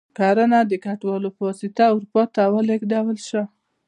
کرنه د کډوالو په واسطه اروپا ته ولېږدول شوه.